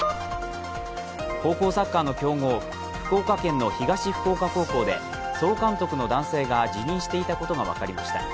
高校サッカーの強豪福岡県の東福岡高校で総監督の男性が辞任していたことが分かりました。